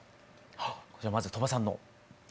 じゃあまず鳥羽さんの。